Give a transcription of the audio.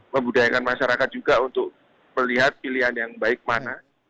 membudayakan masyarakat juga untuk melihat pilihan yang baik mana